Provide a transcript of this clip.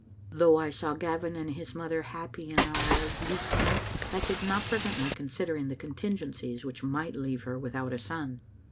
Though I saw Gavin and his mother happy in our Auld Licht manse, that did not prevent my considering the contingencies which might leave her without a son.